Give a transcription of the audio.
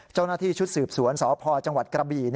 เจ้าหน้าที่ชุดสืบสวนสพจังหวัดกระบี่